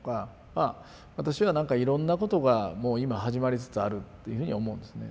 まあ私はなんかいろんなことがもう今始まりつつあるっていうふうに思うんですね。